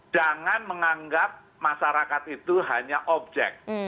jangan menganggap masyarakat itu hanya objek